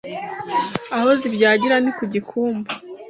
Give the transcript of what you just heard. aho zibyagira ni kugikumba